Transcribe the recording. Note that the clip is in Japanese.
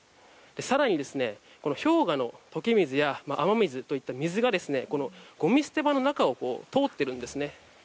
更に、氷河の溶け水や雨水といった水が、ごみ捨て場の中を通っているんです。